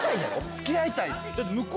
付き合いたいっす。